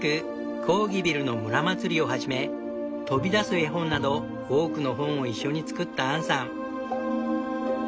「コーギビルの村まつり」をはじめ飛び出す絵本など多くの本を一緒に作ったアンさん。